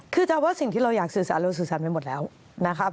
คือจะเอาว่าสิ่งที่เราอยากสื่อสารเราสื่อสารไปหมดแล้วนะครับ